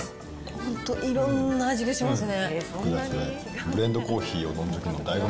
本当いろんな味がしますね。